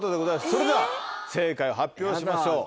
それでは正解を発表しましょう。